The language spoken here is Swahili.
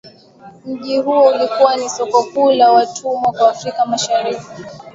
Mji huo ulikuwa ni soko kuu la watumwa kwa Afrika mashariki